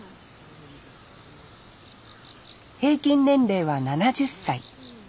平均年齢は７０歳。